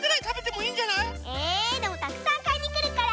えでもたくさんかいにくるから。